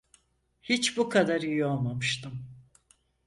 Hiç bu kadar iyi olmamıştım.